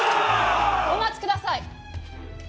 お待ちください。